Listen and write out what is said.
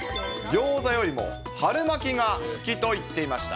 ギョーザよりも春巻きが好きと言っていました。